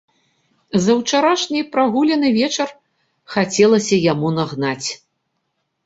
За ўчарашні прагуляны вечар хацелася яму нагнаць.